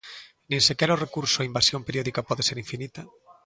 Nin sequera o recurso á invasión periódica pode ser infinita.